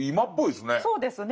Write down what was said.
そうですね。